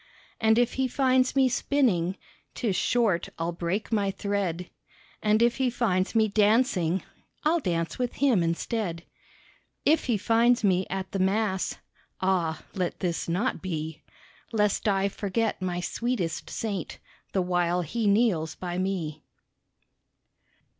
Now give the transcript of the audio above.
And if he finds me spinning 'Tis short I'll break my thread; And if he finds me dancing I'll dance with him instead; If he finds me at the Mass (Ah, let this not be, Lest I forget my sweetest saint The while he kneels by me!)